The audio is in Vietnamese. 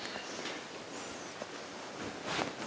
cái hệ thống ban thờ